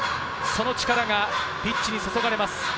その力がピッチに注がれます。